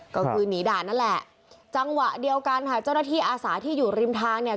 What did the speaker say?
ก็คือหนีด่านนั่นแหละจังหวะเดียวกันค่ะเจ้าหน้าที่อาสาที่อยู่ริมทางเนี่ย